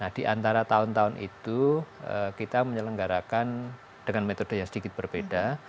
nah di antara tahun tahun itu kita menyelenggarakan dengan metode yang sedikit berbeda